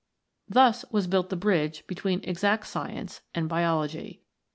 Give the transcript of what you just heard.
Thus was built the bridge between Exact Science and Biology.